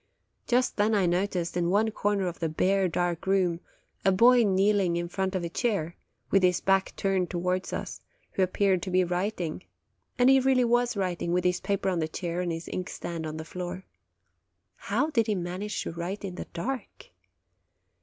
Just then I noticed, in one corner of the bare, dark room, a boy kneeling in front of a chair, with his back turned towards us, who appeared to be writing; and he really was writing, with his paper on the chair and his inkstand on the floor. How did he manage to write in the dark?